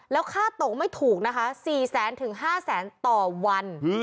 แล้วค่าตงไม่ถูกนะคะ๔๕แสนต่อวัน